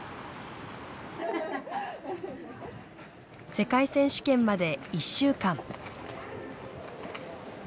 世界選手権まで１週間。